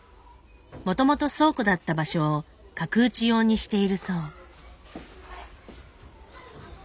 もともと倉庫だった場所を角打ち用にしているそう。